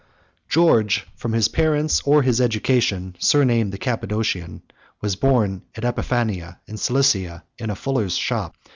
] George, 119 from his parents or his education, surnamed the Cappadocian, was born at Epiphania in Cilicia, in a fuller's shop.